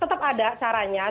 tetep ada caranya